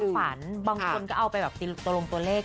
มีความฝันบางคนก็เอากันไปติดตรงตัวเลข